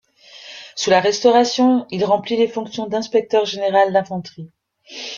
Sous la Restauration, il remplit les fonctions d'inspecteur général d'infanterie.